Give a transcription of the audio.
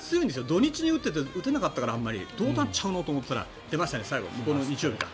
土日に打っていたのに打てなかったからどうなっちゃうのと思ったら出ましたね、最後向こうの日曜日か。